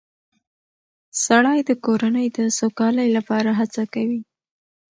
سړی د کورنۍ د سوکالۍ لپاره هڅه کوي